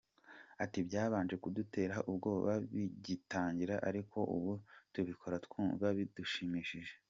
Ati “Byabanje kudutera ubwoba bigitangira ariko ubu tubikora twumva bidushimishije.